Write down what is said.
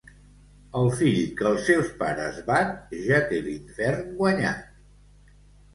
El fill que els seus pares bat, ja té l'infern guanyat.